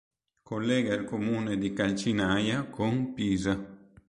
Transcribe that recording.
Collega il comune di Calcinaia con Pisa.